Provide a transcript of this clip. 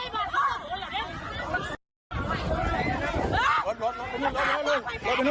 รับทราบก่อน